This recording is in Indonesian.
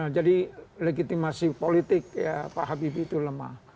jadi legitimasi politik pak habibie itu lemah